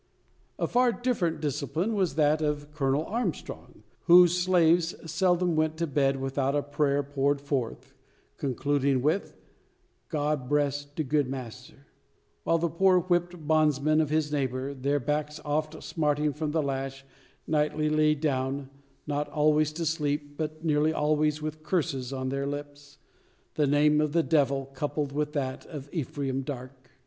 A far different discipline was that of Colonel Armstrong; whose slaves seldom went to bed without a prayer poured forth, concluding with: "God bress de good massr;" while the poor whipped bondsmen of his neighbour, their backs oft smarting from the lash, nightly lay down, not always to sleep, but nearly always with curses on their lips the name of the Devil coupled with that of Ephraim Darke.